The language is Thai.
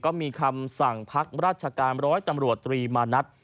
ก็มีคำสั่งพักราชการร้อยตำรวจตรีมานัด